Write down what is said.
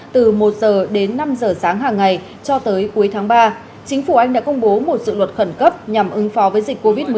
từ một giờ đến năm giờ sáng hàng ngày cho tới cuối tháng ba chính phủ anh đã công bố một dự luật khẩn cấp nhằm ứng phó với dịch covid một mươi chín